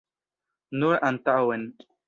Nur antaŭen.